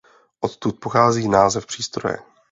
Odtud pochází název přístroje.